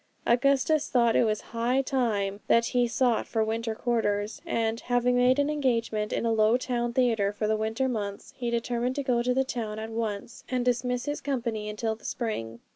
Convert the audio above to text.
Augustus thought it was high time that he sought for winter quarters; and, having made an engagement in a low town theatre for the winter months, he determined to go to the town at once, and dismiss his company until the spring.